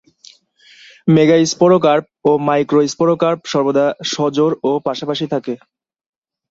Megasporocarp ও microsporocarp সর্বদা সজোড় ও পাশাপাশি থাকে।